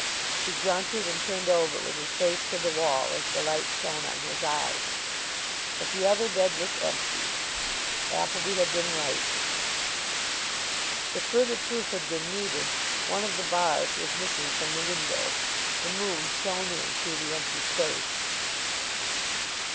He grunted, and turned over with his face to the wall as the light shone on his eyes. But the other bed was empty. Appleby had been right. If further proof had been needed, one of the bars was missing from the window. The moon shone in through the empty space.